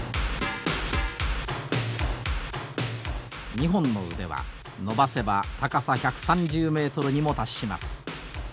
２本の腕は伸ばせば高さ１３０メートルにも達します。